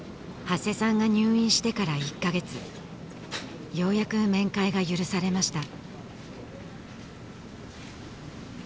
長谷さんが入院してから１カ月ようやく面会が許されました